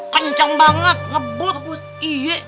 kenceng banget ngebut iye